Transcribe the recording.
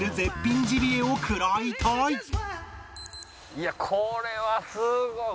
いやこれはすごい。